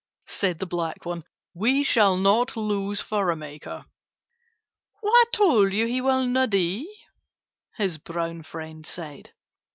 said the black one. "We shall not lose furrow maker." "Who told you he will not die?" his brown friend said.